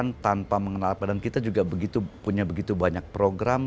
sincere adalah karyawan tanpa mengenal pada kita juga punya begitu banyak program